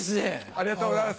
ありがとうございます！